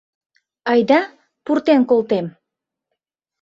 Айда, пуртен колтем.